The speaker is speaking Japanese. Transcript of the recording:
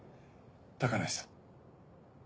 高梨さん。